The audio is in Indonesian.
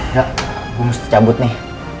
gak gue harus tercabut nih